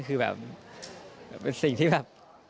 เป็นสิ่งที่แบบ